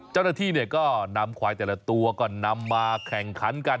เจ้าหน้าที่ก็นำควายแต่ละตัวก็นำมาแข่งขันกัน